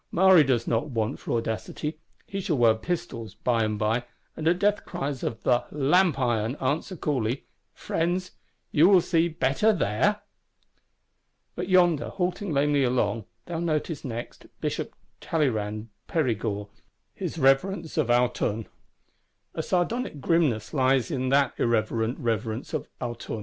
Maury does not want for audacity. He shall wear pistols, by and by; and at death cries of 'La Lanterne, The Lamp iron;' answer coolly, 'Friends, will you see better there?' But yonder, halting lamely along, thou noticest next Bishop Talleyrand Perigord, his Reverence of Autun. A sardonic grimness lies in that irreverent Reverence of Autun.